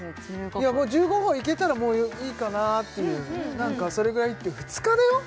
いやもう１５歩いけたらもういいかなっていうなんかそれぐらいって２日だよ？